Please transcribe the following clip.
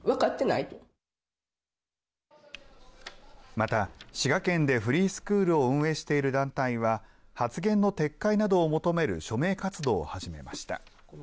また、滋賀県でフリースクールを運営している団体は発言の撤回などを求める署名活動を始めました。